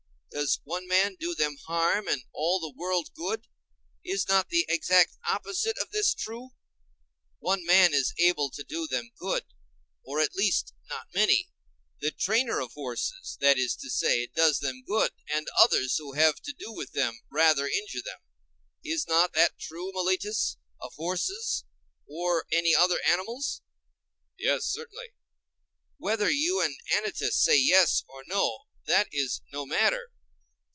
Does one man do them harm and all the world good? Is not the exact opposite of this true? One man is able to do them good, or at least not many;—the trainer of horses, that is to say, does them good, and others who have to do with them rather injure them? Is not that true, Meletus, of horses, or any other animals? Yes, certainly. Whether you and Anytus say yes or no, that is no matter.